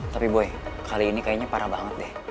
tapi boy kali ini kayaknya parah banget deh